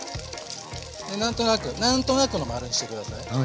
で何となく何となくの丸にしてください。